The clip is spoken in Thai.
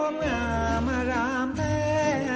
ดีคนยอมกว่ามัน